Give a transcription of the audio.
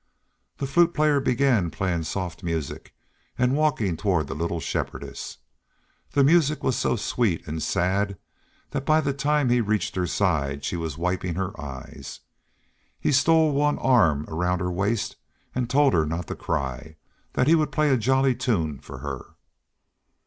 The Flute Player began playing soft music and walking toward the little Shepherdess. The music was so sweet and sad that by the time he reached her side she was wiping her eyes. He stole one arm around her waist and told her not to cry, that he would play a jolly tune for her.